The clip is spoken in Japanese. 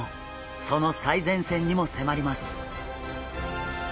その最前線にもせまります！